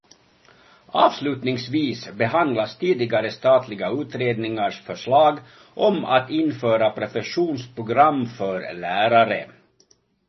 Avslutningsvis behandlas tidigare statliga utredningars förslag om att införa professionsprogram för lärare.